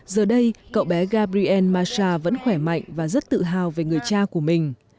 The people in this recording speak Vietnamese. giờ đây cậu bé gabriel masha vẫn khỏe mạnh và rất tự hào về người cha của mình